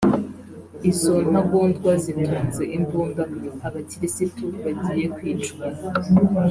Izo ntagondwa zitunze imbunda abakirisitu bagiye kwicwa